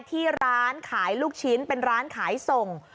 ที่ร้านขายลูกชิ้นเป็นร้านขายส่ง